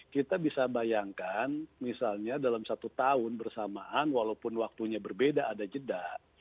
kita bisa bayangkan misalnya dalam satu tahun bersamaan walaupun waktunya berbeda ada jeda